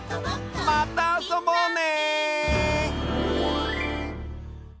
またあそぼうね！